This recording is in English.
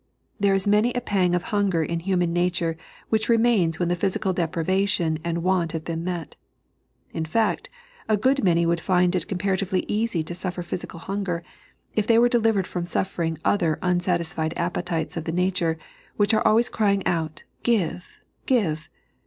There is many a pang of hunger in humiux nature which remains when the physical deprivation and want have been met. In fact, a good many would find it comparatively ea^ to su£fer physical hunger, if they were delivered from suffering other unsatisfied appetites of the nature, which are always crying out, " Give, give."